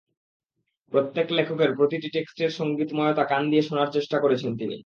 প্রত্যেক লেখকের প্রতিটি টেক্সেটের সংগীতময়তা কান দিয়ে শোনার চেষ্টা করেছেন তিনি।